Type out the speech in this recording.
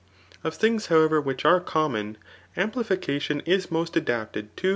Of things how^fiv which are common, ampli* iicat^pn is most adaptei} to